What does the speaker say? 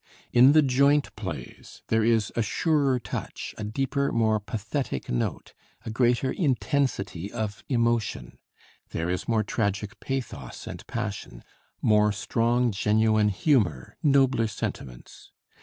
In the joint plays there is a surer touch, a deeper, more pathetic note, a greater intensity of emotion; there is more tragic pathos and passion, more strong genuine humor, nobler sentiments.